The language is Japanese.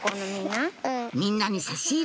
みんなに差し入れ！